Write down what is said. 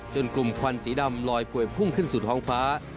กลุ่มควันสีดำลอยป่วยพุ่งขึ้นสู่ท้องฟ้า